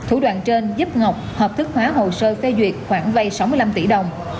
thủ đoàn trên giúp ngọc hợp thức hóa hồ sơ phê duyệt khoảng vây sáu mươi năm tỷ đồng